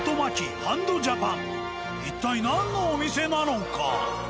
一体何のお店なのか。